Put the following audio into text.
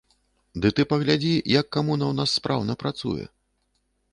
Ды ты паглядзі, як камуна ў нас спраўна працуе.